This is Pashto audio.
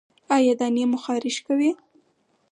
ایا دانې مو خارښ کوي؟